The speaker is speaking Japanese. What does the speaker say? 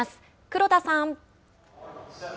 黒田さん。